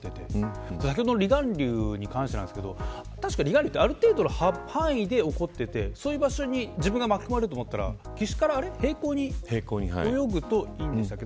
先ほどの離岸流に関してですがある程度の範囲で起こっていてそういう場所に自分が巻き込まれたと思ったら岸から平行に泳ぐといいんでしたっけ